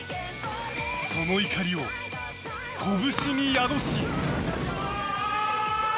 その怒りを拳に宿し。